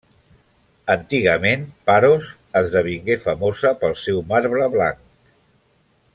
Antigament Paros esdevingué famosa pel seu marbre blanc.